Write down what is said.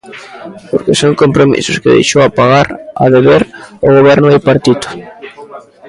Porque son compromisos que deixou a pagar, a deber, o Goberno bipartito.